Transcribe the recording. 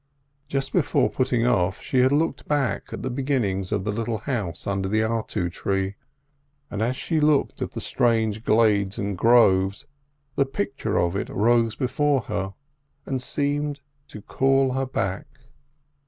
Just before putting off she had looked back at the beginnings of the little house under the artu tree, and as she looked at the strange glades and groves, the picture of it rose before her, and seemed to call her back.